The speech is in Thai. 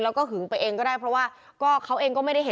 แล้วก็หึงไปเองก็ได้เพราะว่าก็เขาเองก็ไม่ได้เห็น